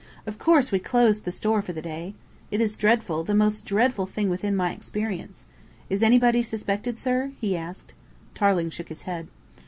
"Of course we closed the Store for the day. It is dreadful the most dreadful thing within my experience. Is anybody suspected, sir?" he asked. Tarling shook his head.